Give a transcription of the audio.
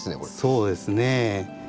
そうですね。